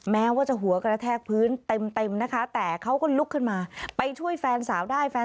แม้ว่าจะหัวกระแทกพื้นเต็มนะคะแต่เขาก็ลุกขึ้นมาไปช่วยแฟนสาวได้แฟน